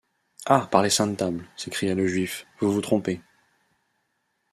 Ah! par les saintes Tables, s’écria le juif, vous vous trompez !